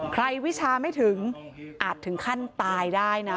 วิชาไม่ถึงอาจถึงขั้นตายได้นะ